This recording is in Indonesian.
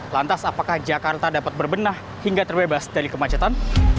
lantas apakah jakarta dapat berbenah hingga terbebas dari kemacetan